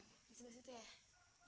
di situ situ ya